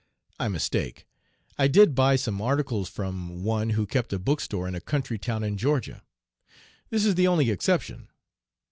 I mistake. I did buy some articles from one who kept a book store in a country town in Georgia. This is the only exception.